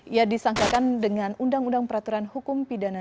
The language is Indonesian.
ia disangkakan dengan undang undang peraturan hukum pidana